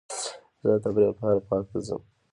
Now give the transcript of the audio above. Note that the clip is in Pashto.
زه د تفریح لپاره پارک ته ځم.